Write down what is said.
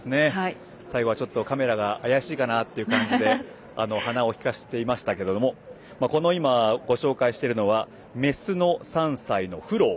最後はちょっとカメラが怪しいかな？という感じで鼻を利かせていましたけどもご紹介しているのはメスの３歳のフロー。